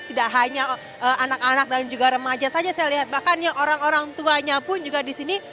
tidak hanya anak anak dan juga remaja saja saya lihat bahkan yang orang orang tuanya pun juga di sini